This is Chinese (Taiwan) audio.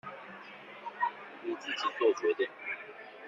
你自己作決定